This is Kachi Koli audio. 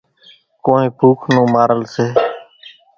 ڪونئين ڀوُک نون مارل سي۔